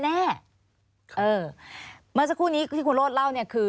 เมื่อสักครู่นี้ที่คุณโรธเล่า